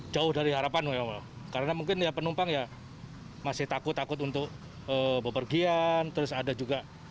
jauh dari harapan karena mungkin ya penumpang ya masih takut takut untuk bepergian terus ada juga